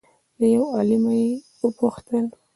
له یو عالمه یې وپوښتل